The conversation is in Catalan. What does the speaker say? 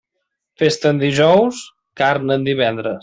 Festa en dijous, carn en divendres.